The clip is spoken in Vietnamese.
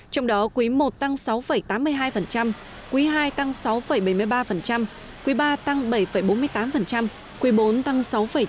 trong đó quý i tăng sáu tám mươi hai quý ii tăng sáu bảy mươi ba quý iii tăng bảy bốn mươi tám quý bốn tăng sáu bảy